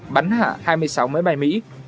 bắn hạ hai mươi sáu máy bay mỹ